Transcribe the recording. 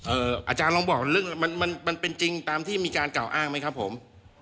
อาจารย์ลองบอกเรื่องมันมันเป็นจริงตามที่มีการกล่าวอ้างไหมครับผม